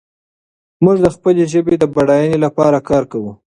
موږ د خپلې ژبې د بډاینې لپاره کار کوو.